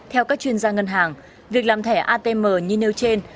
theo các chuyên gia ngân hàng việc làm thẻ atm như nêu trên